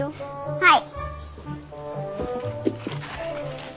はい。